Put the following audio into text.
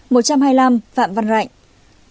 một trăm hai mươi năm phạm văn rạnh